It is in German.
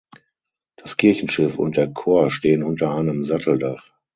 Das Kirchenschiff und der Chor stehen unter einem Satteldach.